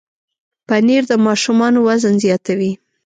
پنېر د ماشومانو وزن زیاتوي.